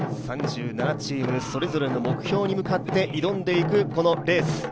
３７チームそれぞれの目標に向かって挑んでいくこのレース。